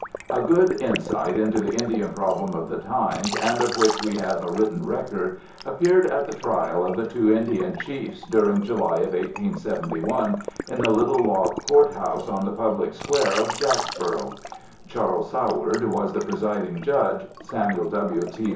A good insight into the Indian problem of the times, and of which we have a written record, appeared at the trial of the two Indian chiefs during July of 1871 in the little log courthouse on the public square of Jacksboro. Charles Soward was the presiding judge. Samuel W. T.